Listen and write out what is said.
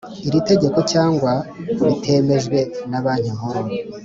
iri tegeko cyangwa bitemejwe na Banki Nkuru